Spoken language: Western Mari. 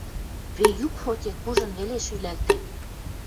Веюк Фоте кужын веле шӱлӓлтӓ.